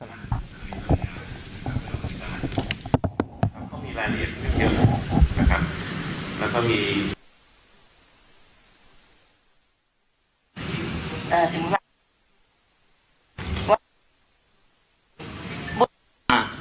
นะครับมี